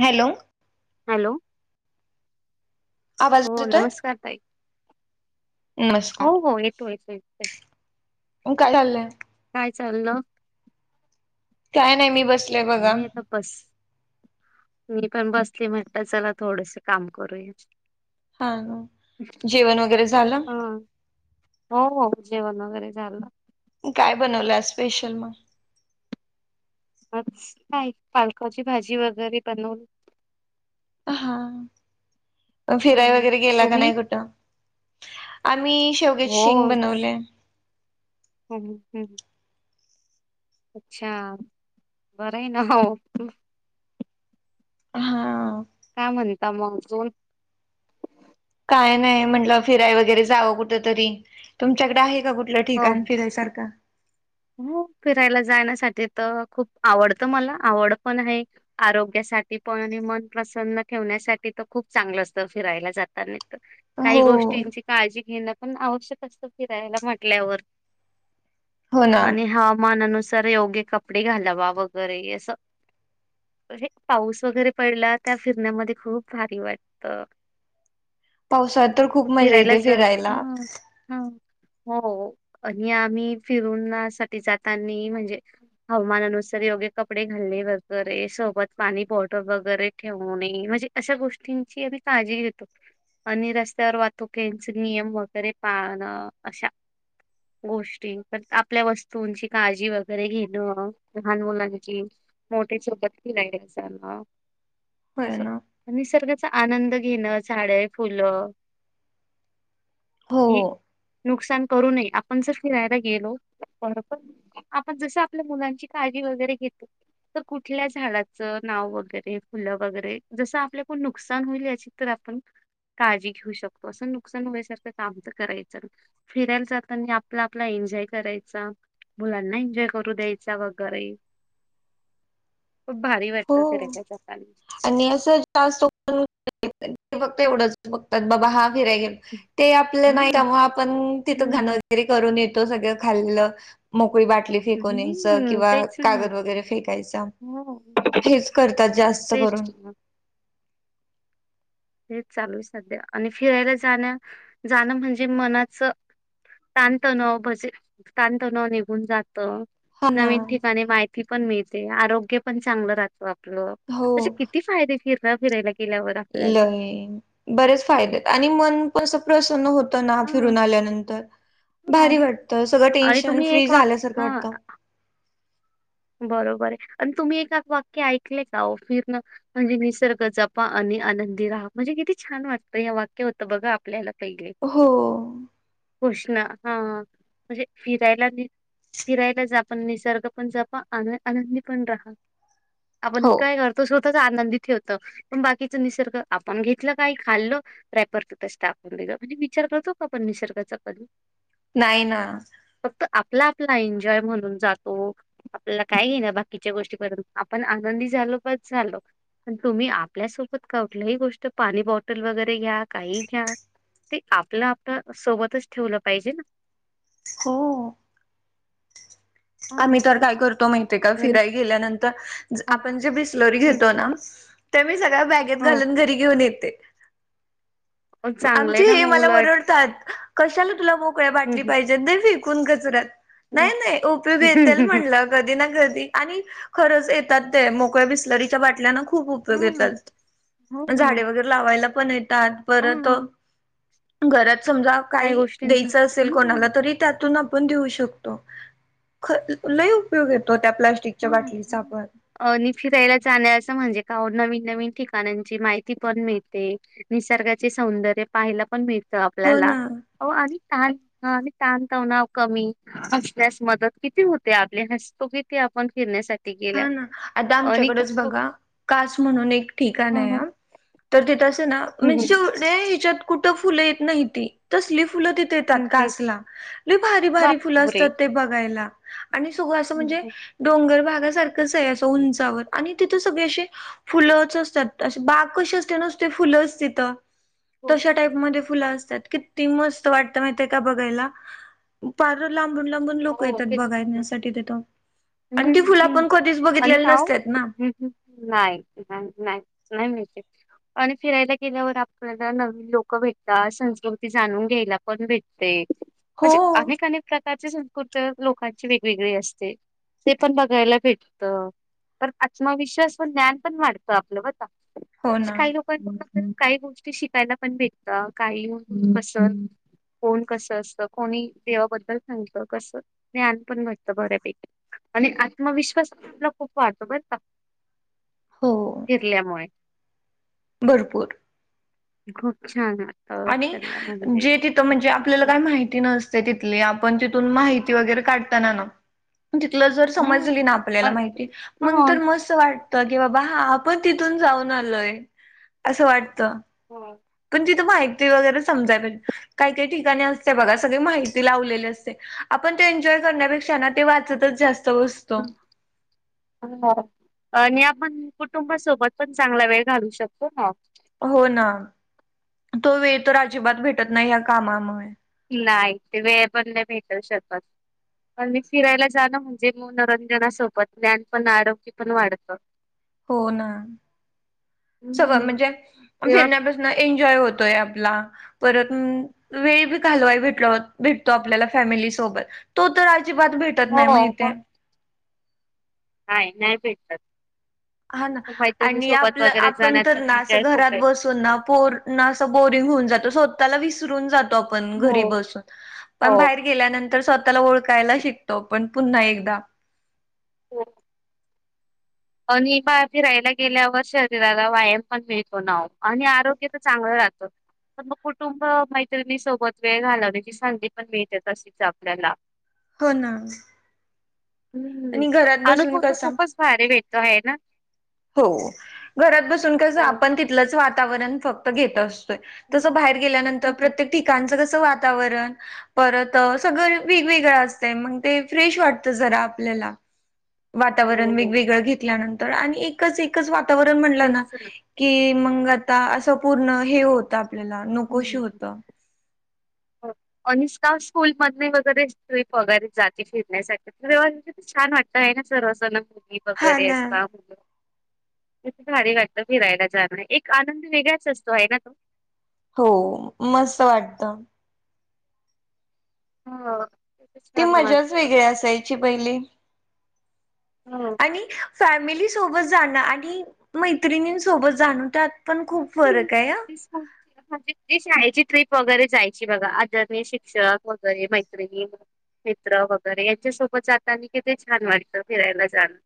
Hello. Hello. आवाज हो येतोय? नमस्कार ताई. नमस्कार हो हो येतो येतो य काय चाललंय? काय? चालल. काय नाही मी बसले काय बघा नाही आता बस मी पण बस. म्हटत चला थोडस काम करूया. हा जेवण वगैरे झालं. ह हो हो जेवण वगैरे झालं. काय बनवलं आज स्पेशल मग आज काय पालकाची भाजी वगैरे बनवून हा फिराय हम्म वगैरे गेला का तुम्ही नाही कुठं. आम्ही शेवग्याची हो शेंग बनवले. हम्म हम्. अच्छा बरं आहे ना वो. हा काय म्हणता मग अजून काय नाही म्हटलं फिराय वगैरे जावं कुठ तरी तुमच्याकडे आहे. का कुठलं हो ठिकाण फिरायसारखं. हो फिरायला जाण्यासाठी तर खूप आवडतं मला आवड पण आहे आरोग्या साठी पण मन प्रसन्न ठेवण्यासाठी तर खूप चांगलं असत फिरायला जातानेच. हो काही गोष्टींची काळजी घेणं. पण आवश्यक असत फिरायला म्हटल्यावर हो ना आणि हवामानानुसार तर योग्य कपडे घालावा वगैरे अस. पाऊस वगैरे पडला त्या फिरण्यामध्ये खूप भारी वाटत. पावसाळ्यात तर खूप मजा येते हा फिरायला हा हो आणि आम्ही फिरूण्या साठी जातानी म्हणजे हवामानानुसार योगे कपडे घालणे वगैरे अस. सोबत पाणी बॉटल वगैरे ठेवणे म्हणजे अशा गोष्टींची आम्ही काळजी घेतो. आणि रस्त्यावर वाहतुकेंचे नियम वगैरे पाळणं अशा गोष्टी पण आपल्या वस्तूंची काळजी वगैरे घेणं लहान मुलांची मोठे सोबत नाही स होय असं ना निसर्गाचा आनंद घेणं झाडे फुलं. हो. ही नुकसान करू नये आपण जर फिरायला गेलो. बरोबर आपण जस आपल्या मुलांची काळजी वगैरे घेतो तर कुठल्या झाडाच. नाव वगैरे फुलं वगैरे जस आपल्या कोण नुकसान होईल याची तर आपण काळजी घेऊ शकतो असं नुकसान होयसारखं काम तर करायचं फिरायला जातानी आणि आपला आपला ए न्जॉय करायचा मुलांना एन्जॉय करू द्यायचा वगैरे खूप भारी वाटतं हो फिरायला जाताना आणि असं जास्त पण ते फक्त एवढंच बघतात बाबा हा फिरा घेऊन ते आपलं नाही हम्म त्यामुळे आपण तिथं हम्म घाण वगैरे करून येतो त सगळं खालेल मोकळी बाटली फेकून यायचं हम्म किंवा तेच ना कागद वगैरे फेकायचं मग हो हेच करतात जास्त तेच करून ना हे चालू आहे सध्या आणि फिरायला जाण्या जाणं म्हणजे मनाचं शांत न बज शांत न निघून जात हा ना नवीन ठिकाणी माहिती पण मिळते आरोग्य पण चांगलं राहत आप हो असे किती फायदे फिरय फिरायला गेल्यावर आपल्याला लय. बरेच फायदे आणि मन पण अस प्रसन्न होत ना हा. फिरून आल्यानंतर हा भारी वाटतं सगळं आणि टेन्शन तुम्ही फ्री एक वाक झाल्यासारखं हा वाटत बरोबर आहे आणि तुम्ही ए वाक्य ऐकले का वो फिरण म्हणजे निसर्ग जपा आणि आनंदी रहा म्हणजे किती छान वाटत या वाक्य होत बघा आपल्याला पहिले हो. गोष्टी ह म्हणजे फिरायला फिरायला जर आपण निसर्ग पण आनंदी पण राहा आपण हो काय करतो आनंदी ठेवत पण बाकीच निसर्ग आपण घेतलं काही खाल्ल रॅपर तितच टाकून देतो म्हणजे विचार करतो का पण निसर्गाचा कधी नाही ना चला एन्जॉय म्हणून जातो आपल्याला काय घे ना बाकीच्या गोष्टी करून आपण आनंदी झालो बस झालो पण तुम्ही आपल्यासोबत का कुठल्याही गोष्ट पाणी बॉटल वगैरे घ्या काही घ्या ते आपलं आपल्या सोबतच ठेवलं पाहिजे ना हो हम्म. आम्ही तर काय करतो माहितय का आणि फिराय गेल्यानंतर आपण ज्या बिस्लरी हं घेतो ना त्या मी सगळ्या बॅगेत हो घालून घरी घेऊन येते चांगलंय आमचे ना हे मग मला उलट. ओरडतात कशाला तुला मोकळ्या हं, बाटली पाहिजेत ते फेकून कचऱ्यात हं, नाही नाही ओ हं. म्हटलं कधी ना कधी आणि खरंच येतात ते मोकळ्या बिसलरीच्या बाटल्या ना खू खूप उपयोग हां, येतात हो. झाडे वगैरे लावायला पण येतात परत हां, घरात समजा काही गोष्टींचं द्यायच असेल कोणाला हं, तरी त्यातून आ पण देऊ शकतो लय उपयोग येतो त्या प्लास्टिकच्या ह बाटलीचा पण आणि फिरायला जाण्याचं म्हणजे काव नवीन नवीन ठिकाणांची माहिती पण मिळते निसर्गाचे सौंदर्य पाहायला पण मिळ हो आपल्याला ना अ आणि ताण आणि ताणतणाव कमी असल्यास मदत किती होते आपले हसतो कि ते आपण फिरण्यासाठी हा ना आता आणि आमच्याकडेच खूप बघा कास म्हणून एक ठिकाण हं, आहे हं. ह तर तिथंं असे ना हं, रोज हं. शो त्या हेज्यात कुट फुल येत न्हायती तसली मग तिथ येतात हं, हं. कासला लय भारी भारी फुलं बापरे! असतात ते बघायला. आणि सुग असं हं, म्हणजे हं. डोंगर बार तर कस य असय उंचावर आणि तिथ सगळे असे हो. फुलंच असतात अस बाग कशी असते न फुलंच तिथं हो. तशा टाईप मध्ये फुलं अस त्यात किती मस्त वाटत महित्तियाय का बघायला लांबून लांबून लोक येतायतबघायण्यासाठी तिथं हम् आणि ती फुलं हम् आपण कधीच आणि बघितलेली नसतात ना. काय नाही नाही नाही मिळ आणि फिरायला गेल्यावर आपल्याला नवीन लोक भेटतात संस्कृती जाणून घ्यायला पण भेटते हो म्हणजे अनेक अनेक प्रकारची संस्कृती लोकांची वेगवेगळी असते ते पण बघायला भेटत तर आत्मविश्वास व ज्ञान पण वाढतं आपलं बर का हो ना काही लोक आहेत म्हणून काही गोष्टी शिकायला पण भेटत काही पसंत कोण कस असत कोणी देवाबद्दल सांगत कसं ज्ञान पण भेटतं बऱ्यापैकी आणि आत्मविश्वास आपला खूप वाटतो बरं का हो फिरल्या माय भरपूर खूप छान वाटतं आणि फिरल्या म्हणजे जे तिथं म्हणजे आपल्याला काय माहिती नसत तिथल्या पण तिथून माहिती वगैरे काढताना ना तिथलं जर हम्म समजली ना अ आपल्याला माहिती मग हो तर मस्त वाट की बाबा हा आपण तिथून जाऊन आलोय असं वाटत हो पण तिथं माहिती वगैरे समजाय पाहिजे काही काही ठिकाणी असते बघा सगळी माहिती लावलेली असते आपण ते एन्जॉय करण्यापेक्षा ना ते वाचतच जास्त बसतो. हम् ह आणि आपण कुटुंबासोबत पण चांगला वेळ घालू शकतो हा हो ना तो वेळ तर अजिबात भेटत नाही या कामामुळे नाही ते वेळ पण नाही भेटू शकत पण मी फिरायला जाणं म्हणजे मनोरंजनासोबत ज्ञान पण आरोग्य पण वाढतं हो ना सगळ हम्म म्हणजे तेव्हा फिरण्यापसन एन्जॉय हो तोय आपला परत वेळ भी घालवाय भ भेटतो आपल्याला फॅमिली सोबत. तो तर अजिबात भेटत हो नाही महितियाय हाय नाही भेटत हा ना आणि आपलं वगैरे आपण जाण्यात तर पण ना अस एन्जॉय खूप घरात आहे बसून ना पोर अस बोरी बोरिग होऊन जातो स्वतःला विसरून जातो आपण हो घरी बसून पण बाहेर गेल्यानंत तर स्वतःला ओळखायला शिकतो पण पुन्हा एकदा हो आणि म फिरायला गेल्यावर शरीराला व्यायाम पण मिळतो नाव आणि आरोग्य तर चांगलं जातो तर मग कुटुंब मैत्रिणी सोबत वेळ घालवण्याची संधी पण मिळते तशीच आपल्याला हो ना हम् आणि घरात बसून अनुभव तर कसा खूपच भारी भेटतो आहे ना हो घरात बसून कस हो आपण तिथलंच वातावरण फक्त घेत असतो तस बाहेर गेल्यानंतर प्रत्येक ठिकाणच कस वातावरण परत सगळं वेगवेगळं असतं मग ते फ्रेश वाटतं जरा आपल्याला [unintelligible] वातावरण वेगवेगळं घेतल्यानंतर आणि एकच एकच वातावरण म्हणलं ना की मग आता असं पूर्ण हे होत आपल्याला नकोशी होत हा अनिष्ता स्कूल मध वगैरे ट्रिप वगैरे जाते फिरण्यासाठी तर तेेव्हा म्हणे छान वाटतय सर्ना मुली हा वगैरे ना असता त भारी वाटतं फिरायला जाणं एक आनंद वेगळाच असतो आहे ना तो हो मस्त वाटत हा ती मजाच वेगळी असायची पहिली हो. आणि फॅमिली सोबत जाणं आणि मैत्रिणींसोबत जाण त्यात पण खूप फरक आहे हा. म्हणजे ती शाळेची ट्रीप वगैरे जायची बघा आदरणी शिक्षक वगैरे मैत्रिणी मित्र वगैरे यांच्यासोबत जातानी किती छान वाटतं फिरायला जाणं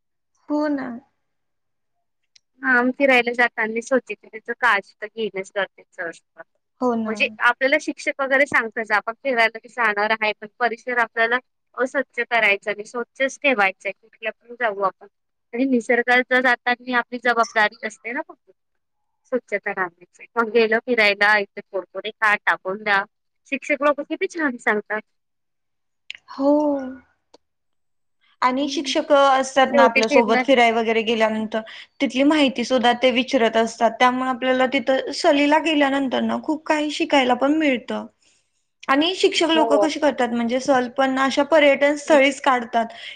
हो ना हा मग फिरायला जात आणि मी सोचित त्याच काळज तर घेनच करच हो ना. म्हणजे आपल्याला शिक्षक वगैरे सांगतच फिरायला की जाणार आहे पण परिसर आपल्याला अस्वच्छ करायचा आणि स्वच्छच ठेवायचंय ठ आपण जाऊ आपण आणि निसर्गाच जातानी आपली जबाबदारी असते ना फक्त स्वच्छता राखायचं गेल फिरायला इथे कुरकुरे खा टाकून द्या शिक्षक लोक किती छान सांगतात हो आणि हम्म. शिक्षक असतात ना शेवटी आपल्यासोबत फिरणार फिराय वगैरे गेल्यानंतर तिथली माहिती त सुद्धा ते विचरत असतात त्यामुळे आपल्याला तिथ सहलीला गेल्यानंतर ना खूप काही शिकायला पण मिळत [unintelligible] आणि शिक्षक लोक हो. कशी करतात म्हणजे सहल पण ना अशा पर्यटन स्थळीच काढात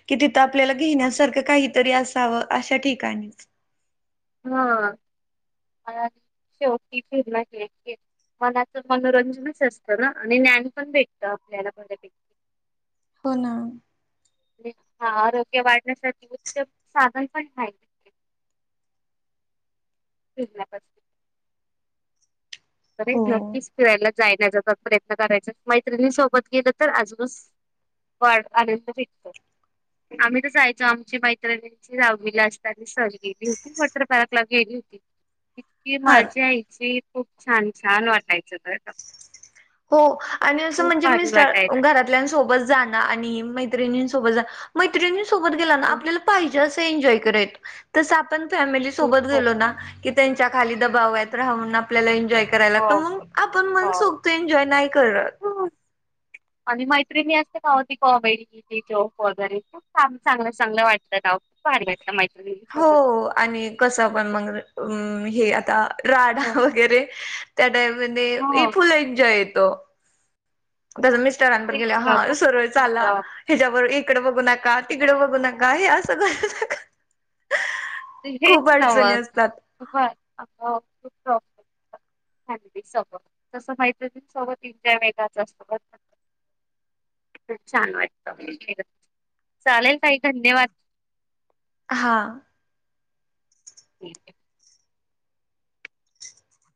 कि तिथ आपल्याला घेण्यासारख काहीतरी असावं अशा ठिकाणी हा मनाचं मनोरंजनच असतं ना आणि ज्ञान पण भेटत आपल्याला बर्‍यापैकी हो ना हा आरोग्य वाढण्यासाठी उत्तम साधन पण [unintelligible] [unintelligible] बरच हो नक्कीच कला जायण्याचा प्रयत्न करायचा मैत्रिणी सोबत गेलं तर अजूनच वाढ आनंद भेटतो आम्ही तर जायचो आमची मैत्रिणींची दहावीला असताना सहल गेली होती वॉटरपार्क गेली इतकी हा मजी यायची खूप छान छान वाटायचं का हो आणि असं खूप म्हणजे भारी मिस्टर वाटायचं. घरातल्या सोबत जाण आणि मैत्रिणी सोबत सोबत मैत्रिणींसोबत गेल ना आपल्याला पाहिजे अस एन्जॉय कराय येतो पण फॅमिली खूप सोबत खूप गेलो ना की त्यांच्या खाली दबावात राहुन आपल्या एन्जॉय करायला हो लागतो मग आपण मन हो सोक्त एन्जॉय नाही करत आणि मैत्रिणी असतं ना व ती कॉमेडी जॉब वगैरे खूप चांगलं चांगलं वाटतं ना वो खूप भारी वाटत हो आणि कस पण मग हे आता राडा हो वगैरे त्या टाइम मध्ये हो फुल एन्जॉय येतो तस मिस तेच ना खूप खूप सरळ चाला मजा ह्याच्या वर इकडं बघू नका वाटते. तिकडं बघू नका हे असं [inaudible] ते खूप हेच अडचणी नावाज असतात फॅमिली सग तसं माहित सव्वा तीन च्या वेगाचा असतो बर का खूप छान वाटतं चालेल ताई धन्यवाद हा ह